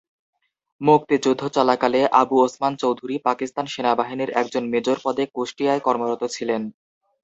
মুক্তিযুদ্ধ চলাকালে আবু ওসমান চৌধুরী পাকিস্তান সেনাবাহিনীর একজন মেজর পদে কুষ্টিয়ায় কর্মরত ছিলেন।